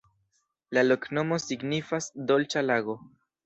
La loknomo signifas: "dolĉa lago".